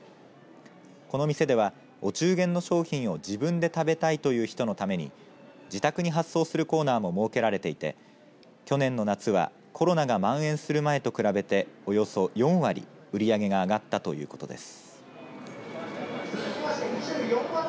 この店ではお中元の商品を自分で食べたいという人のために自宅に発送するコーナーも設けられていて去年の夏はコロナがまん延する前と比べておよそ４割売り上げが上がったということです。